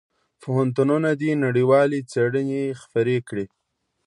پوهنتونونه دي نړیوالې څېړنې خپرې کړي.